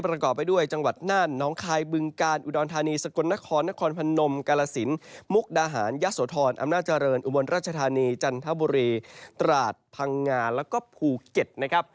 ประกอบไปด้วยจังหวัดน่านน้องคายบึงกาลอุดรธานีสกลนครนครพนมกาลสินมุกดาหารยะโสธรอำนาจเจริญอุบลราชธานีจันทบุรีตราดพังงาแล้วก็ภูเก็ตนะครับ